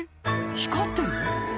光ってる？